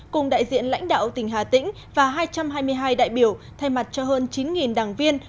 cùng đại diện lãnh đạo tỉnh hà tĩnh và hai trăm hai mươi hai đại biểu thay mặt cho hơn chín đảng viên